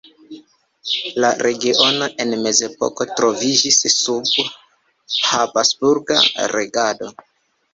La regiono en mezepoko troviĝis sub habsburga regado.